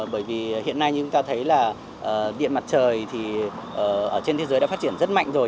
bởi vì hiện nay chúng ta thấy là điện mặt trời trên thế giới đã phát triển rất mạnh rồi